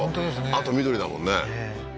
あと緑だもんね